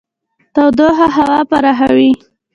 تودوخه هوا پراخوي.